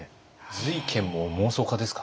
瑞賢も妄想家ですかね？